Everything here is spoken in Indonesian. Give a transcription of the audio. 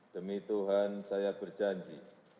demi tuhan saya berjanji